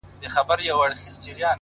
په سپورږمۍ كي زمــــا پــيــــر دى،